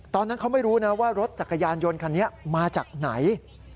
ตอนนั้นเขาไม่รู้นะว่ารถจักรยานยนต์คันนี้มาจากไหน